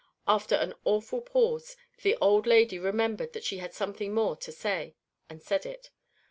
After an awful pause, the old lady remembered that she had something more to say and said it.